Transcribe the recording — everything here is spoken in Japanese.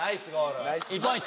１ポイント。